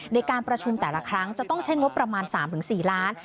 ในการประชุมแต่ละครั้งจะต้องใช้งบประมาณ๓๔ล้าน